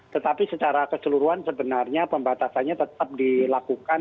tetapi secara keseluruhan sebenarnya pembatasannya tetap dilakukan